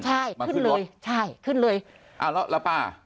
ใช่ขึ้นเลยใช่ขึ้นเลยอ้าวแล้วแล้วป้า